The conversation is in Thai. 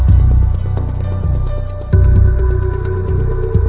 พื้นที่เรารู้สึกเรื่อง